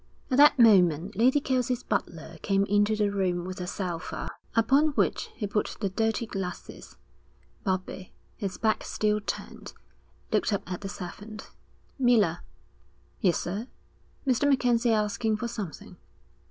At that moment Lady Kelsey's butler came into the room with a salver, upon which he put the dirty glasses. Bobbie, his back still turned, looked up at the servant. 'Miller.' 'Yes, sir.' 'Mr. MacKenzie is asking for something.'